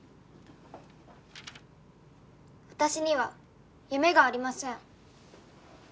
「私には夢がありません」